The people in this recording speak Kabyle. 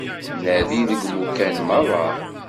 Nadi deg imukan meṛṛa.